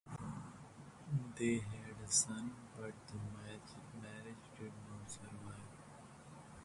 They had a son but the marriage did not survive.